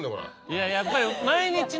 いややっぱり。